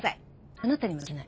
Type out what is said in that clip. あなたには聞いてない。